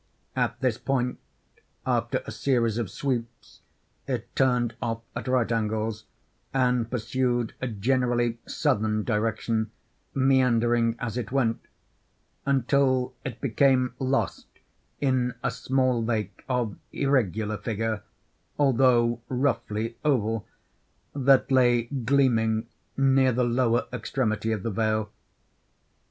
At this point, after a series of sweeps, it turned off at right angles and pursued a generally southern direction meandering as it went—until it became lost in a small lake of irregular figure (although roughly oval), that lay gleaming near the lower extremity of the vale.